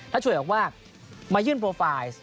ถ้าช่วยบอกว่ามายื่นโปรไฟล์